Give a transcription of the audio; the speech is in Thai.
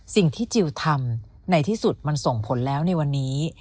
สิ่งที่จิลทำในที่สุดมันส่งผลแล้วในวันนี้